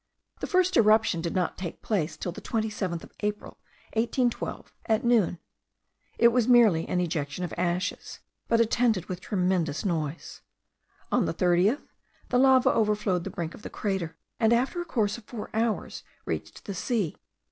The first eruption did not take place till the 27th of April, 1812, at noon. It was merely an ejection of ashes, but attended with a tremendous noise. On the 30th, the lava overflowed the brink of the crater, and, after a course of four hours, reached the sea.